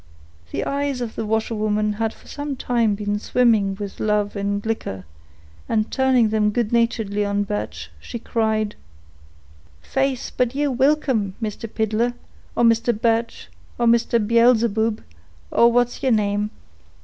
The eyes of the washerwoman had for some time been swimming with love and liquor, and turning them good naturedly on Birch, she cried,— "Faith, but ye're wilcome, Mister Piddler, or Mister Birch, or Mister Beelzeboob, or what's yeer name.